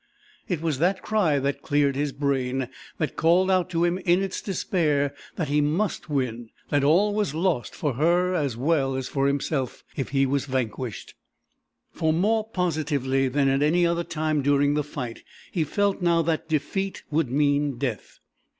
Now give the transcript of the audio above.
It was that cry that cleared his brain, that called out to him in its despair that he must win, that all was lost for her as well as for himself if he was vanquished for more positively than at any other time during the fight he felt now that defeat would mean death.